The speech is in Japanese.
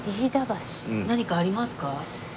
何かありますか？